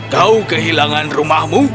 kau kehilangan rumahmu